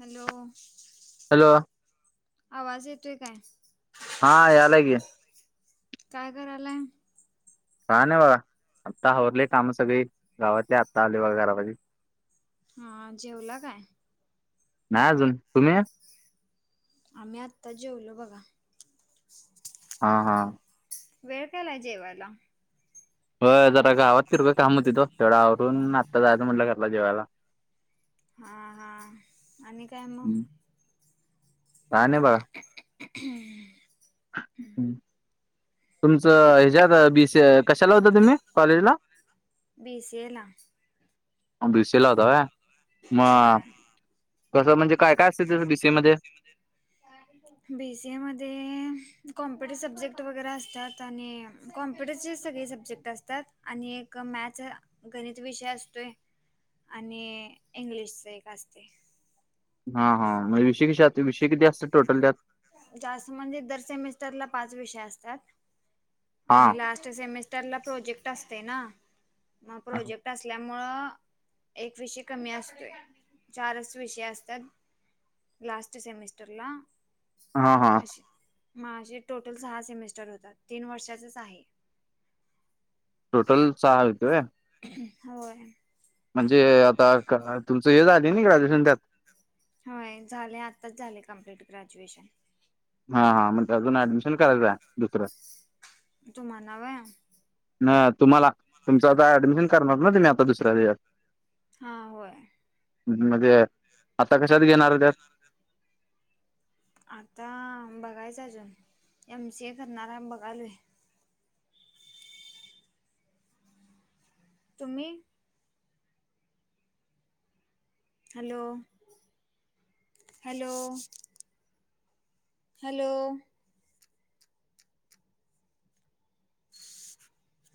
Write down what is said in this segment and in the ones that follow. Hello.. hello आवाज येतोय काय? हा यायलाय की काय करायलाय. काही नाही बघा आत्ता आवरले काम सगळी गावातले आता आले घरामधी हा जेवला काय? नाही अजून, तुम्ही? आम्ही आत्ता जेवलो बघा. हा हा वेळ केलाय जेवायला. बस आत्ता गावात फिरलो त्यामुळ तिकडचं सगळं आवरून आत्ता जायचं म्हटलं घराला जेवायला हा हा आणि काय मग हम्म. काय नाही बघा. [inaudible] तुमचं ह्याच्यात बी सी कशाला होता तुम्ही कॉलेजला बी सी ए ला मग बी सी ए ला होता व्हय. मग होय. कसं म्हणजे काय काय असतं तिथं बी सी ए मध्ये बी सी ए मध्ये कॉम्पिटिव्ह सब्जेक्ट वगैरे असतात आणि कॉम्प्युटरचे सगळे सब्जेक्ट असतात आणि एक मॅथ गणित विषय असतोय. आणि इंग्लिशच एक असतेय. हा हा म्हणजे विषय कशी असत विषय किती असतात टोटल त्यात जास्त म्हणजे दर सेमिस्टरला पाच विषय असतात हा आणि ला स्ट सेमिस्टर ला प्रोजेक्ट असते ना म प्रोजेक्ट असल्यामुळं एक विषय कमी असतोय चारच विषय असत्यात. लास्ट सेमिस्टरला हा हा माझी टोटल सहा सेमिस्टर होतात तीन वर्षाचच आहे. टोटल सहा होते व्हय. होय. म्हणजे आता तुमचं हे झाली ना ग्रॅज्युएशन त्यात होय झाले आताच झाले कंप्लीट ग्रॅज्युएशन हा हा मग अजून ऍडमिशन करायचं दुसरं तुम्हाला व्हय हा तुम्हाला तुमचं आता ऍडमिशन करणार ना त्यानी आता दुसऱ्या ह्याच्यात हा होय. मग ते आता कशात घेणार ये त्यात आता बघायच अजून एम सी ए करणार ये बघायलोय. तुम्ही hello hello hello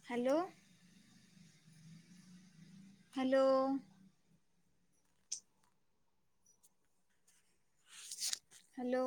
hello hello hello